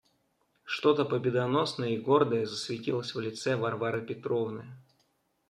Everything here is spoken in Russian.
Что-то победоносное и гордое засветилось в лице Варвары Петровны.